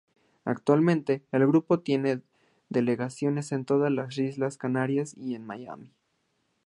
Actualmente, el grupo tiene delegaciones en todas las Islas Canarias y en Miami.